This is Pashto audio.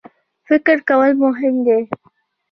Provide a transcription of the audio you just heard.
فکر کول مهم دی.